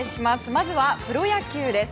まずはプロ野球です。